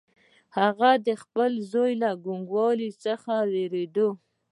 هغه د خپل زوی له کوڼوالي څخه وېرېده.